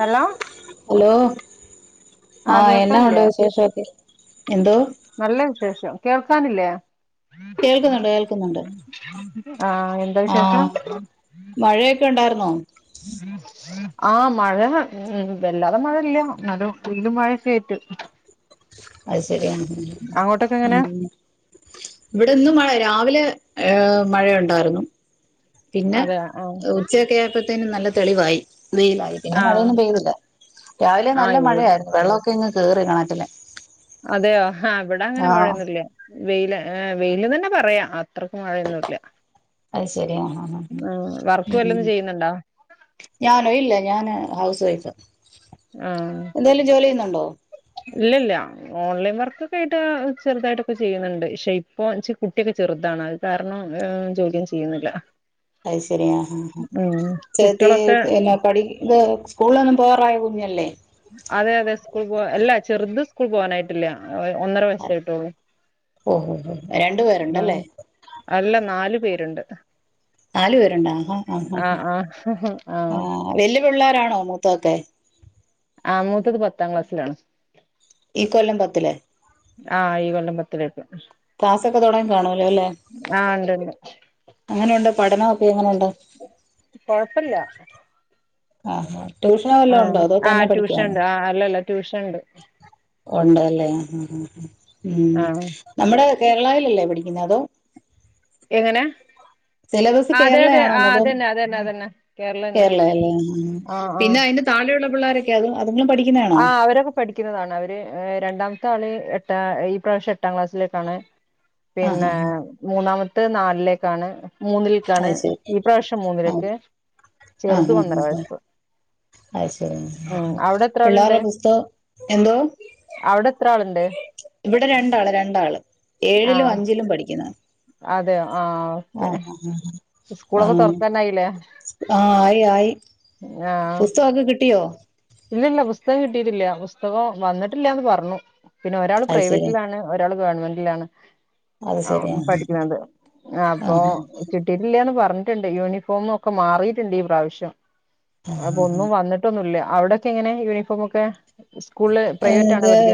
Hello hello ആഹ് ആഹ എന്നാ ഉണ്ട് കേൾക്കാനില്ലേ വിശേഷോക്കെ എന്തോ നല്ല വിശേഷം കേൾക്കാനില്ലേ കേൾക്കുന്നുണ്ട് കേൾക്കുന്നുണ്ട് ആഹ് എന്താ ആഹ വിശേഷം മഴയൊക്കെ ഉണ്ടായർന്ന് ഓ ആഹ മഴ വെല്ലാതെ മഴ ഇല്ല ന്നാലും വെയിലും മഴയൊക്കെ ആയിറ്റ് അതുശെരിആ അങ്ങോട്ടൊക്കെ എങ്ങനെ ഇവിടെ ഇന്ന് മഴ രാവിലെ ഏ മഴയുണ്ടാരുന്നു പിന്നെ അതെ ആഹ് ഉച്ചയൊക്കെ ആയപ്പഴത്തേനും നല്ല തെളിവായി വെയിലായി പിന്നെ ആഹ് മഴയൊന്നും പെയ്തില്ല രാവിലെ ആഹ് നല്ല ഇവി മഴയാരുന്നു വെള്ളൊക്കെയങ്ങ് കയറി കണക്കില അതെയോ ആ ഇവിടങ്ങനെ മഴയൊന്നില്ല വെയില് വെയില്ന്നെന്നെ പറയാം അത് ശരിയാ ഹാ ഹ ആഹ് വർക്ക് ഹാ വല്ലതും ചെയ്യുന്നുണ്ടോ ഞാനോ ഇല്ല ഞാന് ഹൗസ് വൈഫ് ആ എന്തെലും ജോലി ചെയുന്നുണ്ട ഓ ഇല്ല ഇല്ല ഓൺലൈൻ വർക്കൊക്കെ ആയിട്ട് ചെറുതായിട്ടൊക്കെ ചെയ്യുന്നുണ്ട് പക്ഷെ ഇപ്പൊ കുട്ടിക്കെ ചെറുതാണ് അത് കാരണം ജോലിയൊന്നും ചെയ്യുന്നില്ല അത് ശരിയാ ആ ആ ഉം ചേത്തി കുട്ടികളൊക്കെ പിന്നെ പഠിക്ക സ്കൂളോ പോറായ കുഞ്ഞല്ലേ അതെ അതെ സ്കൂൾ പോ അല്ല ചെറുത് സ്കൂൾ പോവാനായിട്ടില്ല ഒന്നര വയസായിട്ടോള്ളൂ ഓ ഓ ഓ രണ്ടു പേരുണ്ടല്ലേ ആഹ് അല്ല നാലു പേര് രണ്ട് നാലു പേരുണ്ട ആ ആ ആ ആഹ് വല്ല് പുള്ളേരാണോ മൂത്തൊക്കെ ആ മൂത്തത് പത്താം ക്ലാസ്സിലാണ് ഈ കൊല്ലം പത്തില് പത്തില് ക്ലാസ്സൊക്കെ തുടങ്ങി കാണുവലോ അല്ലേ ആ ഉണ്ട്ണ്ട് എങ്ങനുണ്ട് പഠനോക്കെ എങ്ങനുണ്ട് കൊഴപ്പില്ല ആഹാ ട്യൂഷനോ ആ വല്ല ഉണ്ടോ അതോ ആ തന്നെ ട്യൂഷൻ പഠിക്കുവാണോ ഉണ്ട് ആ അല്ലല്ല ട്യൂഷൻ ഉണ്ട് ഉണ്ടല്ലേ ആഹ് ആ ഉം നമ്മടെ കേരളയിൽ അല്ലെ പഠിക്കുന്നത് അതോ എങ്ങനെ സിലബസ് അതെ അതെ ആ കേരളയാണോന്ന് അതോ അതന്നെ അതന്നെ അതന്നെ കേരള തന്നെ കേരളല്ലേ ആഹ് ആഹ് ആ ആ പിന്നെ അതിന്റെ താഴെയുള്ള പിള്ളാരൊക്കെ അതും ആ അവരൊക്കെ പഠിക്കുന്നതാണ് അവര് രണ്ടാം ത്താള് എട്ടാ ഈ പ്രാവശ്യം എട്ടാം ക്ലാസ്സിലേക്കാണ് ആഹാ പിന്നെ ആഹാ മൂന്നാമ ത്ത് നാലിലേക്കാണ് മൂന്നിലേക്കാണ് അത് ശരി ഈ പ്രാവശ്യം ആ മൂന്നിലേക്ക് ആഹ് ചെറുത് ആഹ് ഒന്നര ആഹ് വയസ് അത് ശരി ഉം അവിടെ ആളുണ്ട് പിള്ളേരുടെ പുസ്ത എന്തോ അവിടെ എത്ര ആളുണ്ട് ഇവിടെ രണ്ടാള് രണ്ടാള് ഏഴിലും അഞ്ചിലും പഠിക്കും [unintelligible] അതെയൊ ആ അഹ് സ്കൂളൊക്കെ ആഹ് തുറക്കാനായില്ലേ ആഹ് ആയി ആയി പുസ്തകൊക്കെ കിട്ടിയോ ഇല്ലില്ല പുസ്തകം കിട്ടിട്ടില്ല പുസ്തകം വന്നിട്ടില്ലന്ന് പറഞ്ഞു പിന്നെ ഒരാൾ അത് ശരി പ്രൈവറ്റിലാണ് ഒരാൾ ഗവൺമെന്റിലാണ് അത് ആ ശരി ആഹ് പഠിക്കുന്നത് അപ്പൊ ആഹ് കിട്ടിട്ടില്ലന്ന് പറഞ്ഞു ണ്ട് യൂണിഫോമൊക്കെ മാറിട്ടുണ്ട് ഈ പ്രാവശ്യം അപ്പ ഒന്നും വന്നിട്ടൊന്നുല്ല അവിടെ എങ്ങനെ യൂണിഫോം ഒക്കെ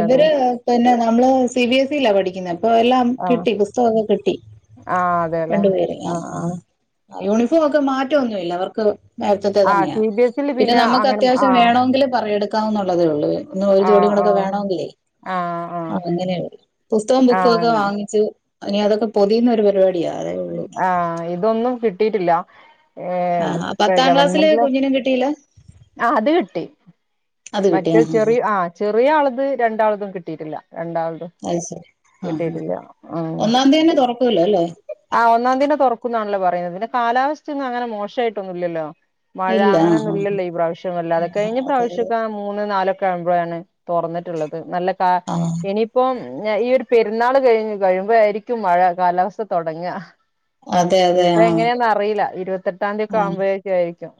ഇവര് പിന്നെ നമ്മള് സി ബി എസ് ഇ ലാ പഠിക്കുന്നത് അപ്പൊ എല്ലാം ആഹ് കിട്ടി പുസ്തം ഒക്കെ കിട്ടി ആഹ് അതെല്ലേ രണ്ടുപേരെ ആ ആഹ് ആഹ് ആ യൂണിഫോം ഒക്കെ മാറ്റൊന്നുമില്ല അവർക്ക് നേർത്തത്തെ ആഹ് തന്നെയാ സി ബി എസ് ഇല് പിന്നെ നമുക്ക് അങ്ങനെ അത്യാവശ്യം ആഹ് വേണമെങ്കിൽ പറ എടുക്കാം എന്നുള്ളതേ ഉള്ളൂ നൊ ഒരു ആഹ് ജോടികൂടെക്കെ ആഹ് വേണോ ങ്കില്ലേ ആഹ് ആഹ് അങ്ങനെയള്ള പുസ്തകം ബുകൊക്കെ ആഹ് വാങ്ങിച്ച് ഇനി അതൊക്കെ പൊതിയുന്ന ഒരു പരിപാ ആഹ ഇതൊന്നും കി ട്ടീട്ടില്ല. ആഹ പത്താം ക്ലാസ്സില് കുഞ്ഞിന് കിട്ടിയില്ല. ആ അത് കിട്ടി അത് കിട്ടി മറ്റേ ആ ചെറി ആ ചെറിയ ആള് ത് രണ്ടാൾതും കിട്ടിയിട്ടില്ല. രണ്ടാൾതും അത് ശരി ആ കിട്ടിട്ടില്ല ഉ ഒന്നാം തീയതി തന്നെ തുറക്കൂല്ലോ അല്ലേ ആ ഒന്നാതീന്നെ തൊർക്കുന്നാണല്ലോ പർ എ വ്നെ കാലാവസ്ഥന്നു അങ്ങനെ മോശയിട്ടൊന്നു ല്ലല്ലോ. ഇല്ല ആഹ ആ പ്രാവശ്യം അല്ലാതെ കഴിഞ്ഞ അതെ അതെ പ്രാവശ്യക്കെ മൂന്ന് നാല് കമ്പോഴാണ് തൊർന്ന്ട്ട്ള്ളത് നല്ല ക്കാ ആ ഇനിയിപ്പം നെ ഈ പെരുന്നാള് കഴിഞ്ഞ് കഴിയുമ്പോയാ യിരിക്കും മഴ കാലാവസ്ഥ തൊടങ്ങാ അതെ അതെ നിയിപ്പ ആ എങ്ങനെയെന്ന് അറിയില്ല ഈ രുവത്തെട്ട് ത്താംതിയൊക്കെ ആ ആവുമ്പഴെക്കെ ആയിക്കും.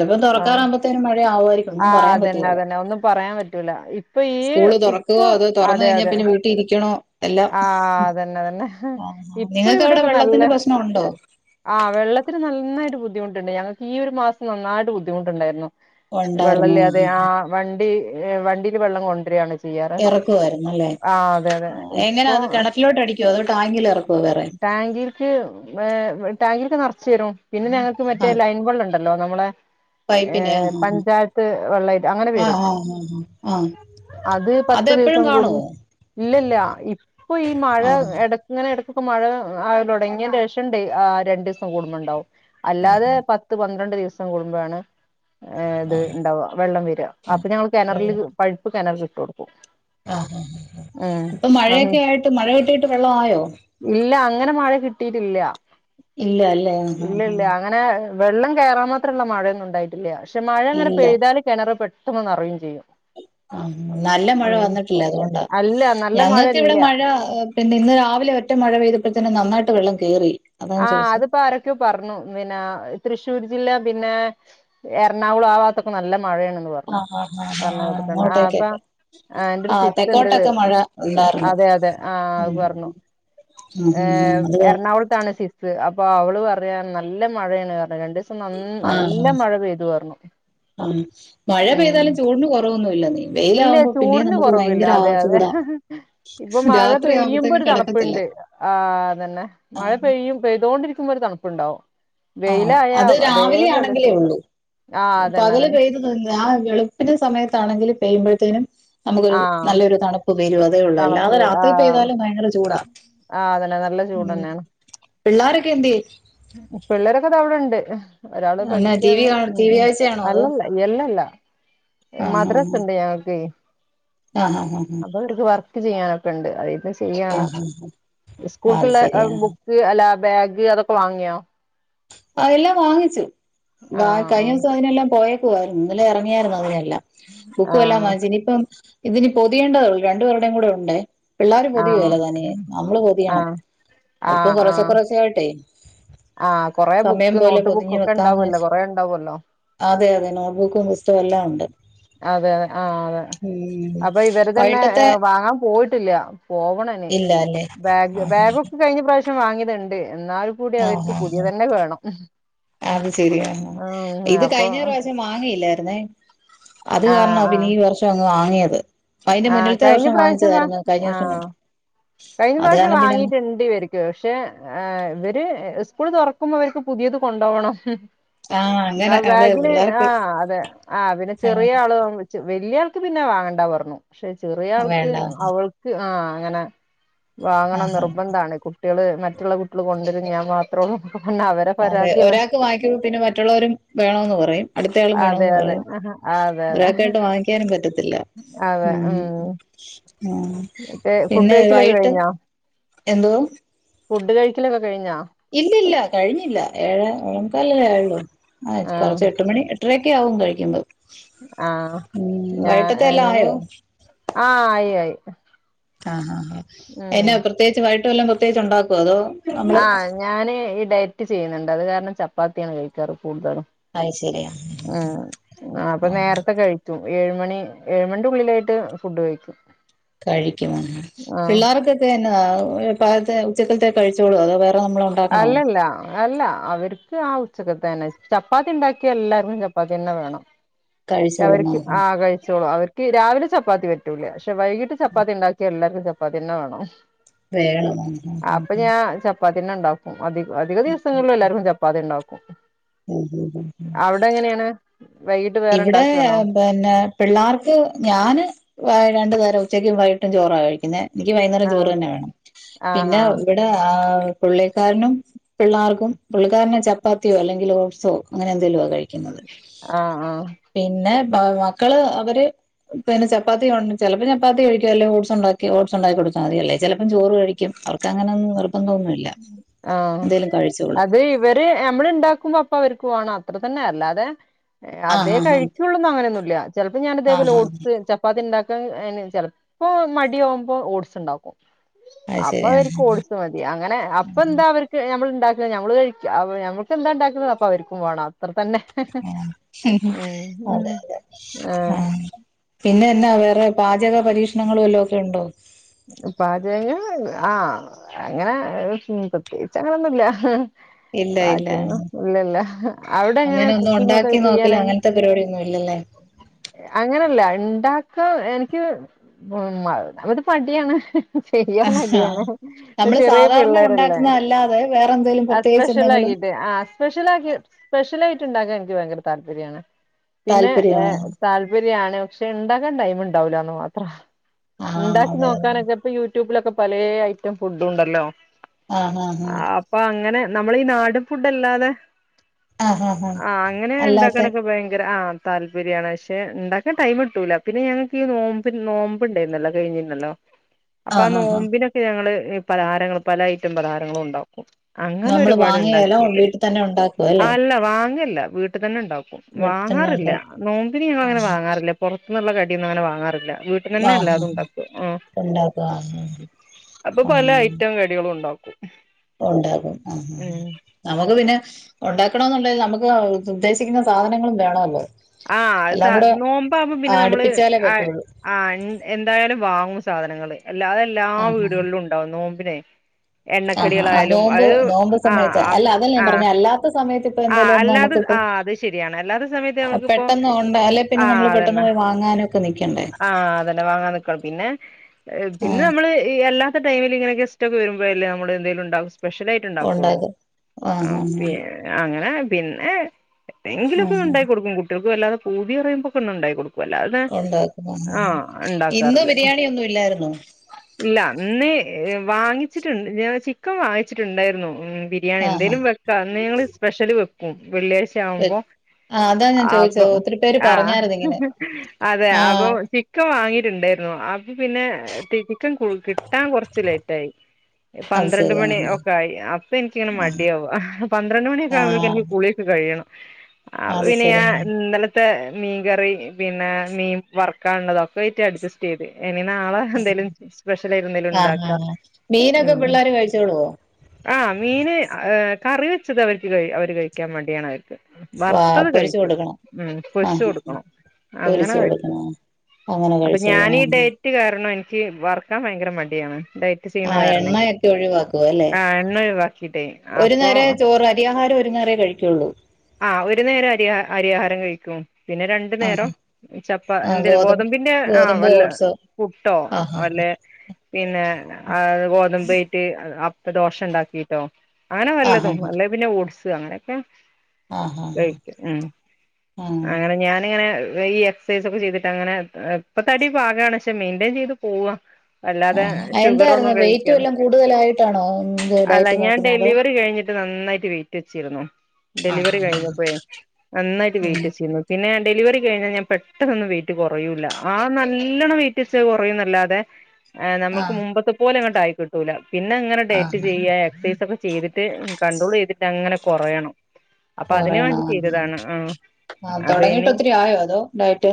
[unintelligible] തൊറക്കാറാവുമ്പത്തേന് മഴ ആവൊ ആ അതനെ അതനെ ഒന്നും പറയാൻ പറ്റൂല. ഇപ്പൊ ഈ സ്കൂള് തുറക്കുവോ ഇപ്പൊ അതോ തുറന്നു അതെ കഴിഞ്ഞാ അതെ പിന്നെ വീട്ടിൽ ഇരിക്കണോ എല്ലാം ആഹ അതന്നെതന്നെ ആഹാ ഇപ്പൊ നിങ്ങൾക്ക് അവിടെ ഇവിടെക്കെ നല്ല വെള്ളത്തിന്റെ പ്രശ്നം ഉണ്ടോ ആ വെള്ളത്തി നന്നായിട്ട് ബുദ്ധിമുട്ട്ണ്ട് ഞങ്ങൾക്ക് ഈ ഒരു മാസം നന്നായിട്ട് ബുദ്ധിമുട്ടുണ്ടായിരുന്നു. ഉണ്ടായിരുന്നു വെള്ളല്യതെ ആ വണ്ടി. ഏ വണ്ടിയില് വെള്ളം കൊണ്ടരിയാണ്. എറക്കുവായിരുന്നല്ലേ അതെ ആ എങ്ങനെ ഇപ്പൊ അത് കെണറ്റിലോട്ട് അടിക്കുവോ അത് ടാങ്കിലെകെറക്കോ വേറെ. ട്ടാങ്കിൽക്ക്നർച്യരും. പിന്നെ ഞങ്ങക്ക് ആ മറ്റേ ലൈൻ വെള്ളൻ ണ്ടല്ലോ നമ്മളെ. പൈപ്പിന്. ഏഹ് പഞ്ചായത്ത് വെള്ളയിട്ട് അങ്ങനെ ആ വെരും ആ ആ ആ അത് പത്ത് അതെപ്പോഴും ദിവസം കൂടും കാണുവോ ഇല്ലല്ല ഇപ്പൊ ഈ മഴ ആ എടക്ക് ഇങ്ങനെ ഇപ്പം മഴ ആ തൊ ടങ്ങിയ ശേഷം ഡെ ആ രണ്ട്സം കൂടുമ്പണ്ടാവും. ആ അല്ലാതെ പത്ത് പന്ത്രണ്ട് ദിവസ സം കുടുമ്പഴാണ് ഏ ഇത് ഇണ്ടാവ വെള്ളം വെര അപ്പഞാ കെണറിൽ വെള്ളം പൈപ്പ് കെണറില് ഇ ആ ഉം ഇപ്പം ആഹ് മഴയൊക്കെ ആയിട്ട് മഴ കിട്ടിട്ട് വെള്ളം ആയോ? ങ്ങനെ മഴ കിട്ടിട്ടില്ല ഇല്ല അല്ലേ ആ ആ ആ വെള്ളം കേറാൻ മാത്രള്ള മഴയൊന്നു ഉണ്ടായി ട്ടില്ല ക്ഷെ മഴയങ്ങനെ ഇല്ല പെയ്താല് കിണറ് പ്പെ പെട്ടന്ന് നറയേം ചെയ്യും ആ നല്ല മഴ ഉം വന്നിട്ടില്ല അതുകൊണ്ടാ അല്ല നല്ല ഞങ്ങക്ക് ഇവിടെ മഴയില്ല മഴ പിന്നെ ഇന്ന് രാവിലെ ഒറ്റ മഴ പെയ്തപ പിന്നെ നന്നായിട്ട് വെള്ളം കേറി അതാ ഞാൻ ആഹ് ചോദിച്ചത് അതിപ്പോ ആരൊക്കെയോ പറഞ്ഞു പിന്നെ ആഹ് തൃശ്ശൂർ ജില്ല പിന്നെ എറണാകുളം ആഹ് ഭാഗത്തൊക്കെ നല്ല മഴയണെന്ന് പറഞ്ഞു ആഹ് ഉം ആഹ് ആഹ് പറഞ്ഞ ആഹ് അപ്പ പിന്നെ ആഹ് അപ്പ അങ്ങോട്ടേക്കൊക്കെ എന്റെ ഒരു ആഹ് സിസ് ഇണ്ട് തെക്കോട്ടൊക്കെ മഴ ഉണ്ടായിരുന്നു അതെ അതെ ആഹ് ആഹ് അത് ഉം പറഞ്ഞു ഉം ഉം ഏഹ് അത് എറണാകുളത്താണ് സിസ് അ പ്പൊ അവള് പറയാണ് നല്ല മഴയാണ് പറഞ്ഞു രണ്ടു ദിവസം നന്ന ആഹ് നല്ല ആഹ് മഴ പെയ്തു പറഞ്ഞു ആഹ് മഴ ഉം പെയ്താലും ചൂടിന് കുറവൊന്നു ഇല്ലന്നെ ഇല്ല ചൂടിന് കൊറവില്ല അതെ അതെ ചൂടാ ഇപ്പൊ മഴ രാത്രി പെയ്യുമ്പോ ആവുമ്പോത്തേക്കും ഒരു കിടക്കത്തില്ല തണുപ്പുണ്ട് ആഹ് അതന്നെ മഴ ആഹ് പെയ്യും പെയ്തോണ്ടിരിക്കുമ്പോ ഒരു തണു പ്പുണ്ടാവും ആ അത് രാവിലെ ആണെങ്കിലേ ചൂട് ഉള്ളൂ ആഹ് അതന്നെ പകല് അതന്നെ പെയ്ത് എന്താ ആ വെളുപ്പിന് സമയത്താണെങ്കിലിൽ പെയ്യുമ്പഴത്തേനും നമുക്കൊരു ആഹ് നല്ലൊരു തണുപ്പ് വരുള്ളൂ അതേ ഉള്ളൂ അല്ലാതെ തണുപ്പ് രാത്രി ആഹ് പെയ്താലും ഭയങ്കര ചൂടാ ആഹ് അതന്നെ നല്ല ചൂട് ഉം തന്നെയാണ് പിള്ളാരൊക്കെ എന്തേ? ക്കെ ദാ ഇവിടെണ്ട് ഒരാള് പഠിക്കാണ് കാണ ഉം ടി വി ഉം കാഴ്ചയാണോ അല്ല അതോ അല്ല എല്ലാംല്ല മദ്രസ ഉണ്ട് ഞങ്ങൾക്കെ ആ ഹാ ഹാ ആ ക്ക് ചെയ്യാനൊക്കെ ഉണ്ട് [unintelligible] ചെയ്യാണ് ആഹ് അത് സ്കൂൾക്കുള്ള അ ശരിയ ആഹ് ബുക്ക് അലാ ബാഗ് അതൊക്കെ വാങ്ങിയോ അ എല്ലാം വാങ്ങിച്ചു വ കഴിഞ്ഞ ആഹ് ദിവസം അതിനെല്ലാം പോയ ഇലെ ഇറങ്ങിയായിരുന്നു അത്തിനല്ല ബുക്കെല്ലാം ആഹ് വാങ്ങിച്ചു ഇനി ഇപ്പൊ ഇതിനി പൊതിയേണ്ടതേള്ളൂ രണ്ടു പേരുടെയും കൂടെ ഉണ്ട് പിള്ളോര് ആഹ് പൊതിയല്ല തന്നെ നമ്മള് പൊതിയണം ആഹ് അതിപ്പ കൊറച്ച് കുറച്ചേ ആായിട്ടേ ആ സമയം പോലെ പൊതിഞ് വെക്കാന്ന് വെച്ച് ഉണ്ടാവുമല്ലോ അതെ അതെ നോട്ട്ബുക്കും പുസ്തകവും എല്ലാം ഉണ്ട് അതെ അതെ ആഹ അതെ ഉം അപ്പൊ ഇവര് തന്നെ വൈകിട്ടത്തെ വാങ്ങാൻ പോയിട്ടില്ല പോവണെന്ന്‌ ഇല്ല അല്ലേ ബാഗ് ആഹ് ബാഗ ഒക്കെ കഴിഞ്ഞ പ്രാവശ്യം.... വാങ്ങിയത്ണ്ട് എന്നാല് കൂടി ആഹ് അവർക്ക് പുതിയ ആഹ് തന്നെ വേണം അത് ശരിയ ഉം ഇത് അപ്പൊ കഴിഞ്ഞ പ്രാവശ്യം വാങ്ങയില്ലയിരുന്ന.. ന്ന അത് ആഹ് കാരണം പിന്ന ആഹ് ഈ വർഷം അങ്ങ് വാങ്ങിയത് അതിന്റെ ആഹ് മുന്നിലത്തെ കഴിഞ്ഞ വർഷം പ്രാവശ്യം വാ വാങ്ങിച്ചതായിരുന്നു കഴിഞ്ഞ വർഷം ആഹ് കൊണ്ട് കഴിഞ്ഞ അത് പ്രാവശ്യം കാരണം പിന്നെ വാങ്ങിട്ടുണ്ട് ഇവരുക്ക് പക്ഷെ ഇവര് സ്ക്കൂൾ തുറക്കുമ്പോ അവർക്ക് പുതിയത് കൊണ്ടൊക്ണം ആഹ് എന്നാ അങ്ങനെ അതെ ബാഗിന് ആ പിള്ളേർക്ക് അതെ ആ പിന്നെ ചെറിയ ആഹ് ആള് വലിയ പിന്നെ വാങ്ങണ്ട പറഞ്ഞു പക്ഷെ ചെറിയ ആൾക്ക് വേണ്ട അവൾക്ക് ആ ങ്ങനെ വാങ്ങണം ആഹ് നിർബന്താണ് കുട്ടികള് മറ്റുള്ള കുട്ടികൾ കൊണ്ടുരും ഞാൻ മാത്രേള്ളൂ അതെ ഒരാക്ക് വാങ്ങിക്കുമ്പോ പിന്നെ മറ്റുള്ളോരും വേണോന്ന് പറയും അടുത്തയാളും അതെ വേണോന്ന് അതെ പറയും ഒരാക്കയിട്ട് വാങ്ങിക്കാനും പറ്റത്തി അവ ഉം ആ മറ്റേ ഫുഡ് പിന്നെ കഴിക്കലൊക്കെ വൈയിട്ട് കഴിഞ്ഞോ എന്തുവാ ഫുഡ് കഴിക്കലൊക്കെ... കഴിഞ്ഞോ ഇല്ലല്ല കഴിഞ്ഞില്ല ഏഴ ഓ കാലല്ലേ ആള്ളൂ ആ കൊറച്ച് എട്ട് മണി എട്ടര ഒക്കെ ആവും കഴിക്കുമ്പോ ആഹ ഉം ഞ വൈകിട്ടത്തെ എല്ലാം എങ്ങെ ആയോ ആഹ ആയി ആയി അ ആഹ ആ എന്നെ പ്രത്യേകിച്ച് പറ ല്ലാം പ്രത്േകിച്ച്ണ്ടാക്കോതോ ആഹ ഞാന് ഇട ത ചെയ്യുന്നുണ്ട് അത് കാരണം ചപ്പാത്തിയണ് കഴിക്കാറ്ും കൂടുതലും അത് ശരിയാ ഉ ആ അപ്പൊ ആഹ് നേരത്തെ കഴിച്ചു ഏഴുമണി ഏഴുമണി ഉള്ളിലായിട്ട് ഫുഡ് കഴിക്കും കഴിക്കുന്നത് ആഹ് പിള്ളേർക്കൊക്കൊ എന്നെതാ പാകത്തെ ഉപ്പ്‌ ച്ചകത്തെ കഴിച്ചോളൂ അത് വേ അല്ലല്ല അല്ല അവര് ആ ഉച്ചകത്ത തന്നെ ചപ്പാത്തി ഉണ്ടാക്കി യ എല്ലാർക്കും ചപ്പാത്തി തന്നെ വേണം കഴിച്ചോളും അവര്ക്ക് ആഹ് ആ ആഹ് കഴിച്ചോളൂ അവര്ക്ക് ഈ രാവിലെ ചപ്പാത്തി പറ്റൂല്ലേ പക്ഷ വൈകീട്ട ചപ്പാത്തി ഉണ്ടാക്കി എല്ലാവർക്കും ചപ്പാത്തി ചപ്പാത്തിയെന്നെ വേണം അത്ന്ന വേണം വേള ആ [unintelligible] പിന്നെ ഉണ്ടാക്കും അതി അതിക ദിവസങ്ങളിലും എല്ലാവർക്കും ചപ്പാതി ഉണ്ടകും ആ മം മം മം വൈകിട്ട് വേറെ ഇവിടെ ഉണ്ടാക്കാണോ പിന്നെ പിള്ളേർക്ക് ഞാാന് രണ്ടു തരം ഉച്ചയ്ക്ക് വൈട്ടും ചോറാ കഴിക്കുന്നേ എനിക്ക് വൈകുന്നേരം ചൂറ് ആഹ് തന്നെ വേണം ആഹ് പിന്നെ ആഹ് ഇവിടെ ആ പുള്ളിക്കാരനും പിള്ളേർക്കും പുള്ളിക്കാരെ ചപ്പാത്തിയോ അല്ലെങ്കിൽ ഓ്സോ അങ്ങനെ എന്തേലും ആ ആ പിന്നെ മക്കള് അവര് പിന്നെ ചപ്പാത്തി കൊണ്ടരും ചെലപ്പോം ചപ്പാത്തി കഴിക്കും അല്ലേ ഓട്സ് ഉണ്ടാക്കി ഓട്സ് ഉണ്ടാക്കി കൊടുത്താൽ മതിയല്ലേ ചെലപ്പം ചോറ് കഴിക്കും അവർക്ക് അങ്ങനെയൊന്നും നിർ ആഹ് കഴിച്ചോളും അത് ഇവര് നമ്മള് ഉണ്ടാക്കുമ്പോ അപ്പ അവര്ക്ക് വേണം അത്ര തന്നെ അല്ലാതെ ആഹ് അതേ ആഹ് കഴിക്കൊള്ളുന്നങനൊന്നുല്ലാ ചലപ്പോ ഞാൻ ഇതേപോലെ ആഹ് ആഹ് ആഹ് ഒഡ്സ് ചപ്പാത്തി ഉണ്ടാ [unintelligible] ചെലപോ മടിയാവുമ്പോ ഓട്സ് ഉണ്ടാക്കും അത് ശരി ആഹ് അപ്പവര്ക്ക് ഓട്സ് മതി അങ്ങനെ അപ്പൊന്താ അവർക്ക് ഞമ്മ ഇണ്ടാക്ക ഞമ്മൾ കഴിക്യ നമുക്കെന്താ ഉണ്ടാക്കുന്നത് അപ്പൊ അവർക്കും വാണം അത്രത്തന്നെ ആ മ് ഹ് അതേ അതെ ആ ആഹ് പിന്നെ പിന്നാ വേറെ പാചക പരീക്ഷണങ്ങള് വല്ലോം രണ്ടോ പാചകങ്ങള് ആ അങ്ങനെ പ്രത്യേകിച്ചങ്ങനൊന്നുല്ല ഇല്ല ഇല്ല പാചകം ഇല്ലില്ല അവിടെങ്ങനെ അങ്ങനെ ഒന്നും കുക്കിങ്ങൊക്കെ ഉണ്ടാക്കി ചെയ്യാന നോക്കില്ല അങ്ങനത്തെ പരിപാടിയൊന്നും ഇല്ലല്ലേ അങ്ങനല്ല ണ്ടാ ആ എനിക്ക് [unintelligible] മടിയാണ് ചെയ്യാൻ മടിയാണ് നമ്മള് ചെറിയ സാധാരണ പിള്ളേരല്ലേ ഉണ്ടാക്കുന്ന അല്ലാതെ വേറെ എന്തെലും അ പ്രത്യേകിച്ച് സ്പെഷ്യൽ എന്തെങ്കിലും ആക്കീട്ട് ആ സ്പെഷ്യൽ ആക്കി സ്പെഷ്യൽ റ്റ് ഇണ്ടാക്കാൻ എനിക്ക് ഭയങ്കര താല്പര്യാണ്. പിന്നെ ഏ താല്പര്യമാ താല്പ യാണ് പക്ഷെ ഉണ്ടാക്കാൻ ടൈം ഉണ്ടാവൂലാന്ന് മാത്രം ഇണ്ടാ ആഹ് ന്ന് അതെ അതെ നോക്കാനൊക്കെ അപ്പൊ യു ട്യൂബിലൊക്കെ പലേ ഐറ്റം ഫുഡുണ്ടല്ലോ ആഹ് ആഹ് ആഹ് ആപ്പൊ അങ്ങനെ നമ്മളീ നാടൻ ഫുഡല്ലാതെ ആഹ് ആഹ് ആഹ് ആ അങ്ങനെ അല്ലാത്തെ ഇണ്ടാക്കാനൊക്കെ ഭയങ്കര ആ താല്പര്യാണ് പക്ഷെ ഇണ്ടാക്കാൻ ടൈമിട്ടൂല പിന്നെ ഞങ്ങക്കീ നോമ്പ് നോമ്പുണ്ടേർന്നല്ലൊ കഴിഞ്ഞെ ലല്ലോ അപ്പാ ആഹ് ആഹ് ആഹ് നോമ്പിനൊക്കെ ഞങ്ങള് ഈ പലഹാരങ്ങള് പല ഐറ്റം പലഹാരങ്ങളുണ്ടാക്കും നമ്മള് വാങ്ങുകേല വീട്ടിത്തന്നെ ഉണ്ടാക്കുവാല്ലേ? വീട്ട്ത്തന്നെ ഇണ്ടാ വാങ്ങാറില്ല. നോമ്പിന് ഞങ്ങളങ്ങനെ ആഹ് വാങ്ങാറില്ല. പൊറത്ത്ന്നുള്ള കടിയൊന്നു അങ്ങനെ വാങ്ങാറില്ല. വീട്ടിന്നെന്നെ എല്ലാതും ഇണ്ടാക് ഉണ്ടാക്വാ ആ അപ്പൊ ആ പല അങ്ങനെ ഐറ്റം കടികളും ഉണ്ടാക്കും ഉണ്ടാക്കും. ആ ആ ഉം ആ. നമുക്ക് പിന്നെ ഉണ്ടാക്കണോന്നുണ്ടെങ്കി നമുക്ക് ഉദ്ദേശിക്കുന്ന സാധനങ്ങളും വേണോല്ലോ? ആഹ് അത് സ നോമ്പാകുമ്പോ പിന്നെ നമ്മള്, അടുപ്പിച്ചാലേ അ പറ്റുള്ളൂ ആ എന്തായാലും വാങ്ങും സാധനങ്ങള്. അല്ലാതെല്ലാ ആഹ് വീടുകളിലുംണ്ടാവും നോ പിന്നെ ആഹ് അത്കൊണ്ട് നോമ്പ് ആ സമയത്ത്, അല്ല അതല്ല ഞാൻ ആ പറഞ്ഞെ. അല്ലാത്ത സമയത്ത് ഇപ്പൊ ആ എന്തേലും ഒന്ന് അല്ലാത് നമുക്കിപ്പൊ ആ അത് ശരിയാണ്. അല്ലാത്ത സമയത്ത് നമ്മക്കിപ്പോ, പെട്ടെന്ന് ഉണ്ട് അല്ലെ പിന്നെ ആ നമ്മള് പെട്ടെന്ന് അതന്നെ. പോയി വാങ്ങാനൊക്കെ നിക്കണ്ടേ ആ അതന്നെ വാങ്ങാൻ നിക്കണം. പിന്നെ ആ പിന്നെ നമ്മള് അല്ലാത്ത ടൈമില് ഇങ്ങനെ ഗസ്റ്റൊക്കെ വരു മ്പഴല്ലേ നമ്മളെന്തേലും ഇണ്ടാവു സ് സ്പെഷ്യലായിട്ട് ഇണ്ടാക്കുള്ളൂ. ഉണ്ടാക്കും ആ ഹാ പി ഹാ ങ്ങനെ പിന്നെ ആ എങ്കിലൊക്കെ ഹാ ഇണ്ടാക്കി കൊടുക്കും കുട്ട്യൾക്ക് അല്ലാതെ പൂതി പറയുമ്പൊക്കെ ഒന്നുണ്ടാക്കി കൊടു ഉണ്ടാക്കു മ്മ് മ്മ്. ഇന്ന് ഉണ്ടാക്കാറില്ല ബിരിയാണി ഒന്നും ഇല്ലായിരുന്നോ? വാങ്ങിച്ചിട്ട്ണ്ട്. ഞാൻ ചിക്കൻ വാങ്ങിച്ചിട്ട്ണ്ടായിരുന്നു. ഉം ബിരിയാണി ആ ഹാ എന്തേലും വെക്കാ ന്ന് ഞങ്ങള് ചി വെക്കും വെള്ള്യാഴ്ച വെ ആവുമ്പോ, ആ അതാ ഞാൻ അപ്പൊ, ചോദിച്ചത് ഒത്തിരി പേര് ആഹ്. പറഞ്ഞായിരുന്നു ഇങ്ങനെ അതെ ആ അപ്പൊ ചിക്കൻ വാങ്ങിട്ടുണ്ടായിരുന്നു. അപ്പ പിന്നെ ചിക്കൻ കിട്ടാൻ കൊറച്ച് ലേറ്റായി. അത് പന്ത്രണ്ട് ശരി ആ മണി ഹാ ഒക്കെ ആയി. അപ്പൊ ഇനിക്കിങ്ങനെ മടിയാവാ. പന്ത്രണ്ട് മണിയൊക് ആ ച്ചാവുമ്പോഴത്തേക്ക് എനിക്ക് ആ കുള്യാക്കെ കഴി യ്യണം അത് ശരി ആവിനെയാ ആ ന്നലെത് ത്തെ മീൻകറി പിന്നെ മീൻ വർക്കാ ള്ളതൊക്കെയിട്ട് അഡ്ജസ്റ്റ് ചെയ്ത് ഇനി നാളെ എന്തേലും സ്പെഷ്യൽ ആയിട്ട് എന്തേലും ആ ആ ആ. ഉണ്ടാക്കാം മീനൊക്കെ പിള്ളേര് കഴിച്ചോളുവോ? ആ മീന്. ഈഹ് കറി വെച്ചത് അവര് അവര് കഴിക്കാൻ മടിയാണ് അവർക്ക് വാ വർത്തത് പൊരിച്ചു കഴിക്കും കൊടുക്കണം ഉം ആ ഹാ പൊരിച്ച് ഹാ കൊടുക്കണം അങ്ങനെ പൊരിച്ച് കഴിക്കും കൊടുക്കണോ അങ്ങനെ അപ്പൊ ഞാനീ കഴിച്ചോളുമോ ഡയറ്റ് കാരണം എനിക് ക്ക് വർക്കാൻ ഭയങ്കര മടിയാണ് ഡയറ്റ് ചെയ്യുന്ന ആഹ് കാരണേ എണ്ണയൊക്കെ ഒഴിവാക്കും അല്ലെ ആഹ് എണ്ണ ഒഴിവാക്കിട്ടേ ഒരു അപ്പൊ നേരെ ചോറ് അരിയാഹാര ഒര് ഒര് നേരേ കഴിക്കുള്ളൂ ആ ഒരു നേരം അരി അരിയാഹാരം കഴിക്കും പിന്നെ രണ്ടു ആഹ് നേരം ചപ്പ ആഹ് ന്തെ ഗോതമ്പ് ഗോതമ്പിന്റെ ആ ഗോതമ്പോ വല്ല ഓട്സോ പുട്ടോ ആഹ് വല്ല പിന്നെആ ഗോതമ്പയിട്ട് അ പ്പൊ ദോശ ഒണ്ടാക്കിട്ടോ അങ്ങനെ ആഹ് ആഹ് വല്ലതും അല്ലെ പിന്നെ ഓട്സ് അങ്ങനെയൊക്കെ ആഹ് ആഹ് കഴിക ഉം ആഹ് അങ്ങനെ ഞാൻ ഇങ്ങനെ ഈ എക്സൈസ് ഒക്കെ ചെയ്തിട്ട് അങ്ങനെ ഇപ്പൊ തടി പാകമാണ് പക്ഷെ മെയിൻ്റെൻ ചെയ്ത് പോവാ ആ അല്ലാതെ എന്തായിരുന്നു ഷുഗറൊന്നും വെയിറ്റ് കഴിക്കാതെ എല്ലാം കൂടുതലായിട്ടാണോ എന്ത് അല്ല ഡയറ്റ് നോക്കുന്നത് അതോ ട്ടിച്ചിരുന്നു ആഹ് ഡെലിവറി കഴിഞ്ഞപ്പോയേ നന്നായിട്ട് ഉം വെയിറ്റ് വെച്ചിരുന്നു പിന്നെ ഞാൻ ഡെലിവറി കഴിഞ്ഞാൽ ഞാൻ പെട്ടെന്നൊന്നും വെയിറ്റ് കെറയൂല്ല ആ നല്ലോണം വെയിറ്റ് വെച്ച കുറയും അല്ലാതെ ആ നമുക്ക് ആഹ് മുമ്പത്തെ പോലെ അങ്ങട്ട ആയി കിട്ടൂല പിന്നെ ഇങ്ങനെ ഡേറ്റ് ആഹ് ചെയ്യുക എക്സസൈസ് ഒക്കെ ചെയ്തിട്ട് കണ്ടോൾ ചെയ്തിട്ട് അങ്ങനെ കെറയണം കൊറയണ ആ അപ്പൊ തുടങ്ങിട്ട് ഇനി ഒത്തിരി ആയോ അതോ ഡയറ്റ്